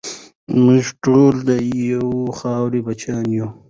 موږ ټول د یوې خاورې بچیان یو.